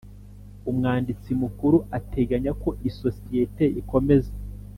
umwanditsi Mukuru ateganya ko isosiyete ikomeza